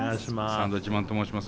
サンドウィッチマンと申します。